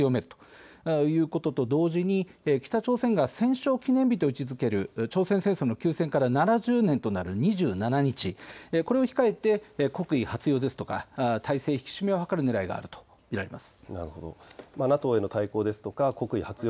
日米韓３か国へのけん制を強めるということと同時に北朝鮮が戦勝記念日と位置づける朝鮮戦争の休戦から７０年となる２７日、これを控えて国威発揚ですとか体制の引き締めを図るねらいがあると見られます。